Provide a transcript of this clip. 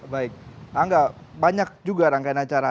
baik angga banyak juga rangkaian acara